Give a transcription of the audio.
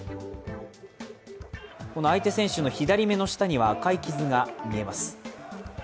相手選手の左目の下には赤い傷が見えます。